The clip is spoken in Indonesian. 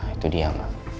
itu dia ma